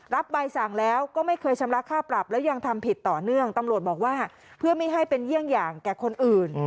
ใบสั่งแล้วก็ไม่เคยชำระค่าปรับแล้วยังทำผิดต่อเนื่องตำรวจบอกว่าเพื่อไม่ให้เป็นเยี่ยงอย่างแก่คนอื่น